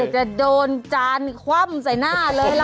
จะโดนจานคว่ำใส่หน้าเลยล่ะ